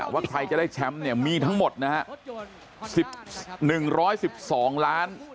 ว่าไทยจะได้แชมป์มีทั้งหมดนะฮะ